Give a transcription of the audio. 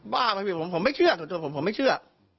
บ้ามากผมไม่เชื่อส่วนจนผมผมไม่เชื่อ